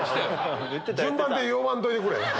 順番で呼ばんといてくれ。